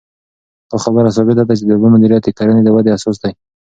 دا خبره ثابته ده چې د اوبو مدیریت د کرنې د ودې اساس دی.